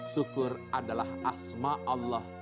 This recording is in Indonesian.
syukur adalah asma allah